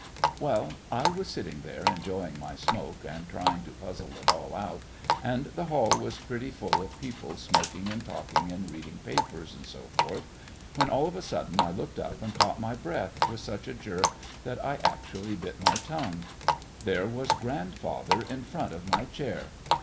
Well, I was sitting there enjoying my smoke and trying to puzzle it all out, and the hall was pretty full of people smoking and talking and reading papers, and so forth, when all of a sudden I looked up and caught my breath with such a jerk that I actually bit my tongue. There was grandfather in front of my chair!